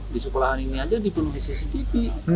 di sekolahan ini aja dipenuhi cctv